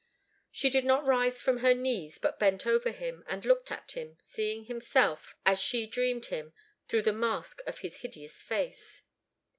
She did not rise from her knees, but bent over him, and looked at him, seeing himself, as she dreamed him, through the mask of his hideous face.